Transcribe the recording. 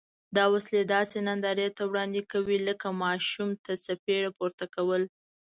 دا وسلې داسې نندارې ته وړاندې کوي لکه ماشوم ته څپېړه پورته کول.